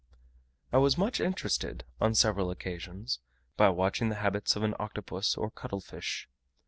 I was much interested, on several occasions, by watching the habits of an Octopus, or cuttle fish.